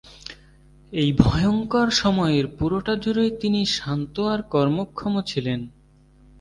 এই ভয়ঙ্কর সময়ের পুরোটা জুড়েই তিনি শান্ত আর কর্মক্ষম ছিলেন।